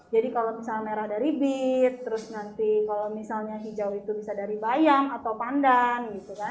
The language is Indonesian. jadi kalau misalnya merah dari bit kalau misalnya hijau itu bisa dari bayam atau pandan